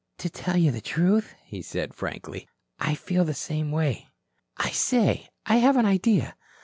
"To tell you the truth," said he frankly. "I feel the same way. I say! I have an idea.